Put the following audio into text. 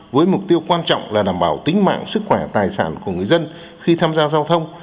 với mục tiêu quan trọng là đảm bảo tính mạng sức khỏe tài sản của người dân khi tham gia giao thông